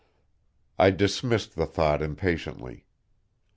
I dismissed the thought impatiently.